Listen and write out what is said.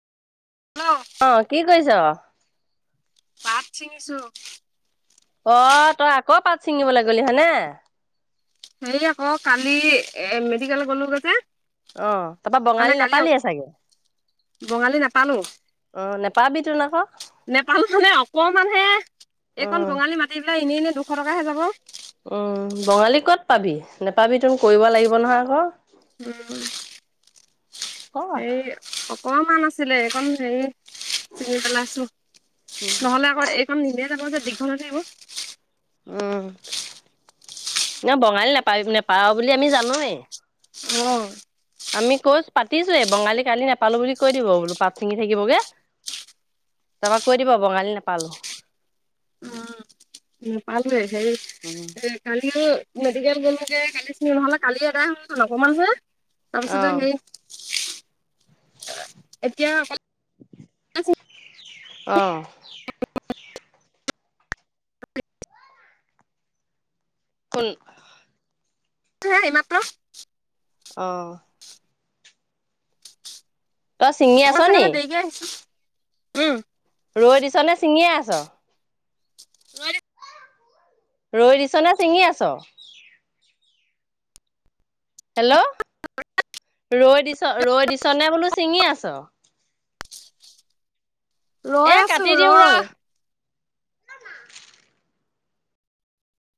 Hello অ কি কৈছ? চিঙিছো অ তই আকৌ পাত ছিঙিবলে গ'লি হয়নে? হেয়া ক কালি এ মেডিকেল গলো গে যে। অ তাপা সেইকাৰণে বঙালী কালি নেপালিয়ে চাগে বঙালী নেপালো অ নোপাবি তোন আকৌ নেপালো মানে অকমান হে এইকন উম বঙালী মা তিলে এনেই এনেই দুখ টকাহে যাব উম বঙালী ক'ত পাবি নেপাবি তন কৰিব লাগিব নহয় আকৌ উম ক সেই অকণমান আছিলে এইকণ হেৰি চিঙি পেলাইছো নহলে এইকণ নিদিয়ে যাব যে দীৰ্ঘ হৈ থাকিব উম ন বঙালী নেপাবি নেপাঅ বুলি আমি জানোৱেই। অ, আমি কৈ পাতিছোয়ে বঙালী কালি নাপালো বুলি কৈ দিব বোলো পাত চিঙি থাকিবগে। তাপা কৈ দিব বঙালী নাপালো। নাপালোঁৱেই উম সেই কালিও মেডিকেল গ'লোগে কালিচিঙিলো নহলে কালি এদাই হল হেতেন অকমান হে অ তাৰপিছতে সেই এতিয়া অকল আহ, [unintelligible] [unintelligible] কোন আহিছোঁ হে এইমাত্ৰ। অঁ। তই ছিঙি আছ মই চাগে নি অকনমান দেৰিকে আহিছোঁ উম। ৰৈ দিছ নে ছিঙিয়ে আছ? ৰৈ দি ৰৈ দিছ নে চিঙি আছ? হেল্ল'? ৰৈ দিছ ৰৈ দিছনে বোলো ছিঙি আছ? এ ৰৈ আছো কাটি দিওঁ ৰৈ। ৰ।